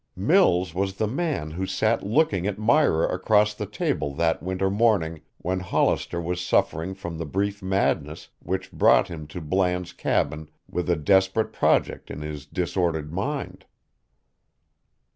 Mills was the man who sat looking at Myra across the table that winter morning when Hollister was suffering from the brief madness which brought him to Bland's cabin with a desperate project in his disordered mind.